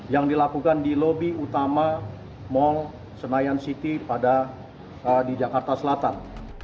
yang dilakukan di lobi utama mall senayan city pada di jakarta selatan